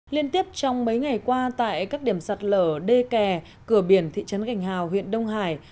liên tiếp trong mấy ngày qua tại các điểm sạt lở đê kè cửa biển thị trấn gành hào huyện đông hải